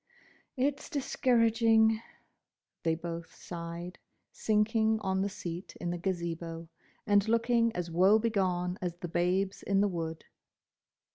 "It's discouraging!" they both sighed, sinking on the seat in the Gazebo, and looking as woe begone as the Babes in the Wood.